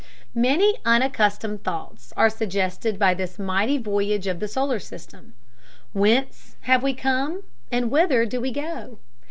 Many unaccustomed thoughts are suggested by this mighty voyage of the solar system. Whence have we come, and whither do we go?